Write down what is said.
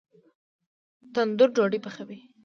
تندور ډوډۍ پخوي